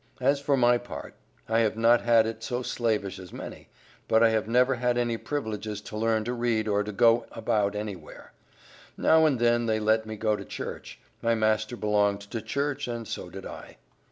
As for my part, I have not had it so slavish as many, but I have never had any privileges to learn to read, or to go about anywhere. Now and then they let me go to church. My master belonged to church, and so did I.